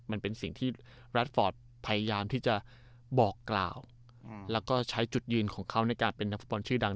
มันเป็นสิ่งที่รัฐฟอร์ตพยายามที่จะบอกกล่าวแล้วก็ใช้จุดยืนของเขาในการเป็นนักฟุตบอลชื่อดัง